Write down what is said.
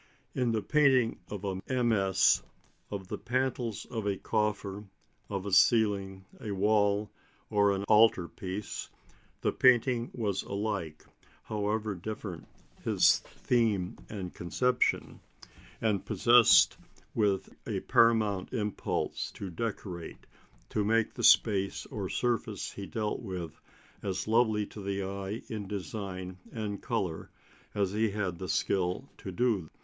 In the painting of a MS., of the panels of a coffer, of a ceiling, a wall, or an altar piece, the painter was alike however different his theme and conception possessed with a paramount impulse to decorate, to make the space or surface he dealt with as lovely to the eye in design and colour as he had skill to do.